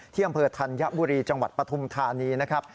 อำเภอธัญบุรีจังหวัดปฐุมธานีนะครับ